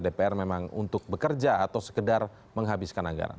dpr memang untuk bekerja atau sekedar menghabiskan anggaran